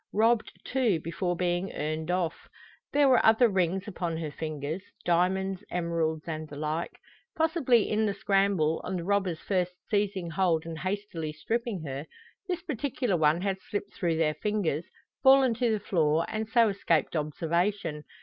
Robbed, too, before being earned off. There were other rings upon her fingers diamonds, emeralds, and the like. Possibly in the scramble, on the robbers first seizing hold and hastily stripping her, this particular one had slipped through their fingers, fallen to the floor, and so escaped observation.